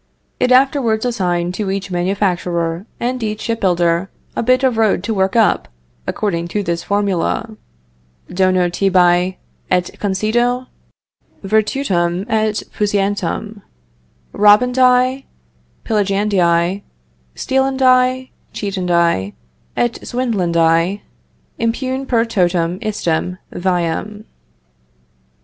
It afterwards assigned to each manufacturer and each ship builder, a bit of road to work up, according to this formula: Dono tibi et concedo, Virtutem et puissantiam, Robbandi, Pillageandi, Stealandi, Cheatandi, Et Swindlandi, Impune per totam istam, Viam.